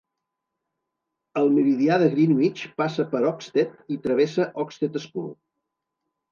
El meridià de Greenwich passa per Oxted i travessa Oxted School.